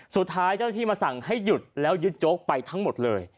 เจ้าที่มาสั่งให้หยุดแล้วยึดโจ๊กไปทั้งหมดเลย